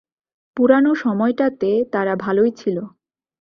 পুরানো সময়টাতে তারা ভালোই ছিলো।